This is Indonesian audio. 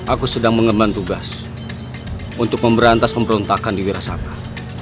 aku sedang mengembalikan tugas untuk memberantas pemberontakan di wirasabah